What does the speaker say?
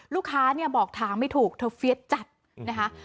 ลูกค้าเนี่ยบอกทางไม่ถูกเธอเฟียสจัดนะคะ